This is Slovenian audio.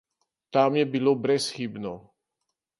Tam je bilo brezhibno.